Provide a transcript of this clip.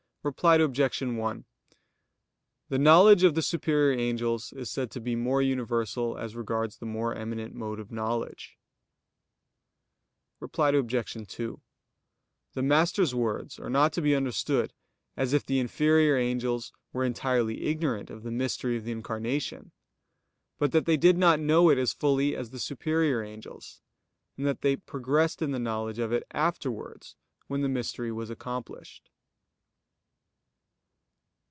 Reply Obj. 1: The knowledge of the superior angels is said to be more universal as regards the more eminent mode of knowledge. Reply Obj. 2: The Master's words are not to be understood as if the inferior angels were entirely ignorant of the Mystery of the Incarnation but that they did not know it as fully as the superior angels; and that they progressed in the knowledge of it afterwards when the Mystery was accomplished.